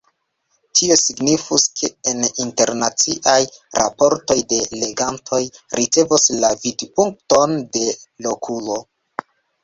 Tio signifus, ke en internaciaj raportoj la legantoj ricevos la vidpunkton de lokulo.